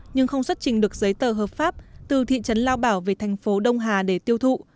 nhưng không xuất trình được giấy tờ hợp pháp từ thị trấn lao bảo về thành phố đông hà để tiêu thụ